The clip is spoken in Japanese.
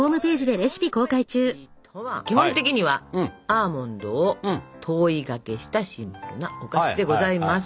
コンフェッティとは基本的にはアーモンドを糖衣がけしたシンプルなお菓子でございます。